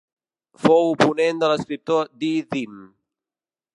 Fou oponent de l'escriptor Dídim.